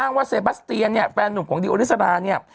อ้างว่าเซบาสเตียนเนี่ยแฟนนุ่นของดิวอย่างนั้นเนี่ย